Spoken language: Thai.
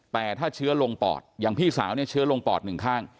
แต่ถ้าเชื้อลงปอดอย่างพี่สาวเชื้อลงปอด๑ข้าง